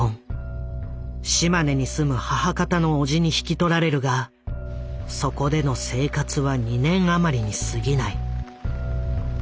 島根に住む母方の叔父に引き取られるがそこでの生活は２年余りにすぎない。